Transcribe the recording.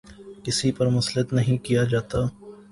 کسی پر مسلط نہیں کیا جاتا۔